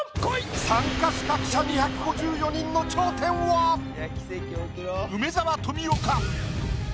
参加資格者２５４人の頂点は梅沢富美男か？